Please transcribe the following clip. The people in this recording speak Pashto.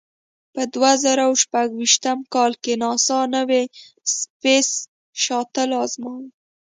په دوه زره او شپږ ویشتم کال کې ناسا نوې سپېس شاتل ازموي.